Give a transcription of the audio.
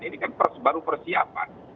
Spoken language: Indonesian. ini kan baru persiapan